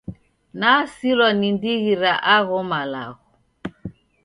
Nasilwa ni ndighi ra agho malagho.